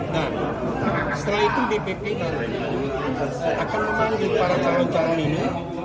nah setelah itu dpk akan memanjir para calon calon ini